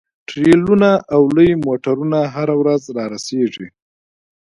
ټریلرونه او لوی موټرونه هره ورځ رارسیږي